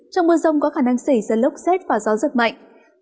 trong mưa rông có khả năng xảy ra lốc xét và gió giật mạnh